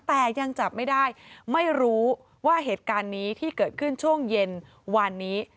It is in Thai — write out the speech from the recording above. แต่ยังจับไม่ได้ไม่รู้ว่าเหตุการณ์นี้ที่เกิดขึ้นช่วงเย็นวานนี้